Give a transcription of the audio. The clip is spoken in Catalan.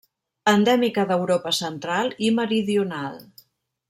Endèmica d'Europa central i meridional.